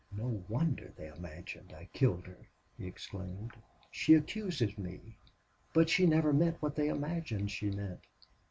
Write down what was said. "No wonder they imagined I killed her!" he exclaimed. "She accuses me. But she never meant what they imagined she meant.